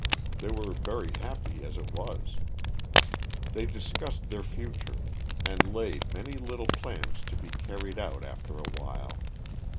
They were very happy as it was. They discussed their future, and laid many little plans to be carried out after awhile.